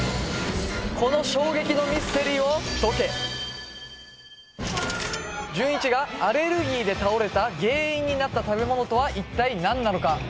この衝撃のミステリーを解け潤一がアレルギーで倒れた原因になった食べ物とは一体何なのか？